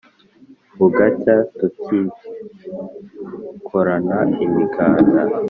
Bugacya tukikorana imiganda.